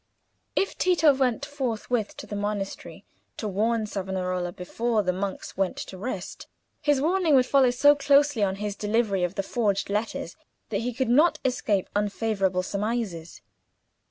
If Tito went forthwith to the monastery to warn Savonarola before the monks went to rest, his warning would follow so closely on his delivery of the forged letters that he could not escape unfavourable surmises.